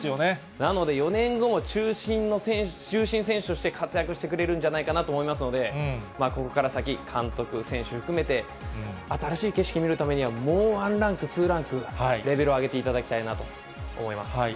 なので４年後も中心選手として、活躍してくれるんじゃないかなと思いますので、ここから先、監督、選手含めて、新しい景色見るためには、もうワンランク、ツーランクレベルを上げていただきたいなと思います。